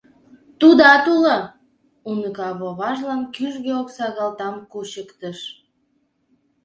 — Тудат уло, — уныка воважлан кӱжгӧ оксагалтам кучыктыш.